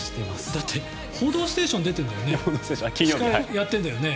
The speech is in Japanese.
だって「報道ステーション」司会やってんだよね。